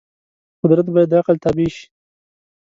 قدرت باید د عقل تابع شي.